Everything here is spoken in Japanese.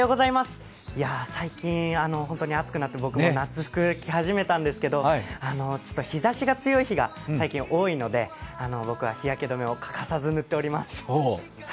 最近、本当に暑くなって僕も夏服、着始めたんですけど日ざしが強い日が最近、多いので僕は日焼け止めを欠かさず、塗っています。